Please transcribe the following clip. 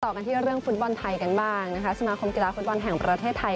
กันที่เรื่องฟุตบอลไทยกันบ้างนะคะสมาคมกีฬาฟุตบอลแห่งประเทศไทย